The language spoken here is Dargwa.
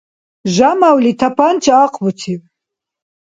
Жамавли тапанча ахъбуциб.